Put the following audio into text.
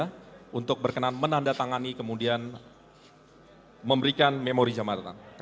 selanjutnya kami mengundang gubernur provinsi dg jakarta dan bapak sekda